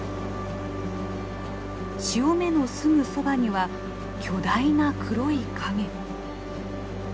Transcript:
潮目のすぐそばには巨大な黒い影。